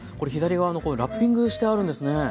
左側のこれラッピングしてあるんですね。